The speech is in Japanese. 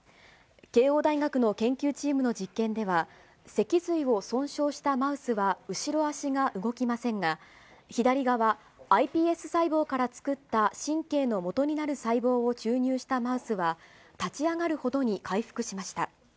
慶応大学の研究チームの実験では、脊髄を損傷したマウスは後ろ足が動きませんが、左側、ｉＰＳ細胞から作った神経のもとになる細胞を注入したマウスは、立ち上がるほどに回復しました。